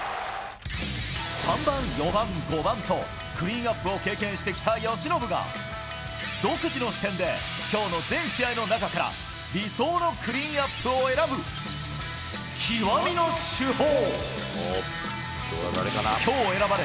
３番、４番、５番とクリーンアップを経験してきた由伸が、独自の視点で、きょうの全試合の中から、理想のクリーンアップを選ぶ、極みの主砲。